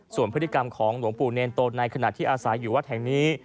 ส่วนพฤติกรรมของหลวงปู่เนรโตในขณะที่อาศัยอยู่วัดแห่งนี้